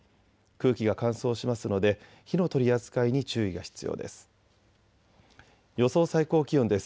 空気が乾燥しますので火の取り扱いに注意が必要です。